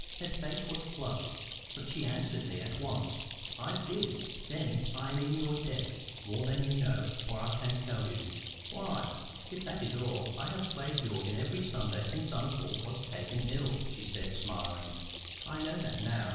Her face was flushed. But she answered me at once. "I did." "Then I am in your debt more than you know or I can tell you." "Why, if that is all, I have played the organ every Sunday since uncle was taken ill," she said, smiling. "I know that now.